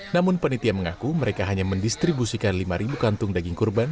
namun penitia mengaku mereka hanya mendistribusikan lima kantung daging kurban